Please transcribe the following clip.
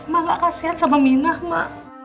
ma gak kasian sama minah ma